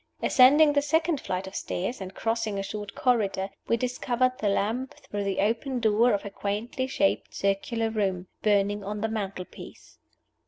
Ascending the second flight of stairs and crossing a short corridor, we discovered the lamp, through the open door of a quaintly shaped circular room, burning on the mantel piece.